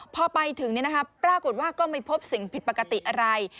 พอไปถึงปรากฏว่าก็ไม่พบสิ่งผิดปกติอะไร